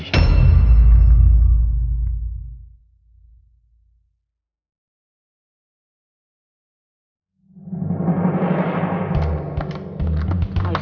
gak usah sih